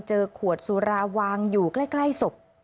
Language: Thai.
เจอขวดสุราวางอยู่ใกล้ศพ